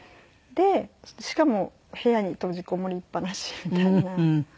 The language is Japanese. しかも部屋に閉じこもりっ放しみたいな。